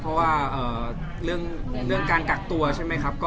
เพราะว่าเรื่องการกักตัวใช่ไหมครับ